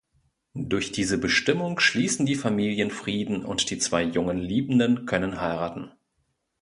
Durch diese Bestimmung schließen die Familien Frieden und die zwei jungen Liebenden können heiraten.